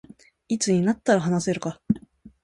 いつになったら話せるか